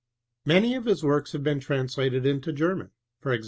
Many of Ms works have been translated into German, e.g.